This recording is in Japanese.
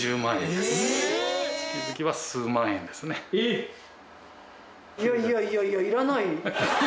いやいやいやいやいらない！